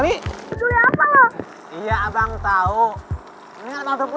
iya abang janji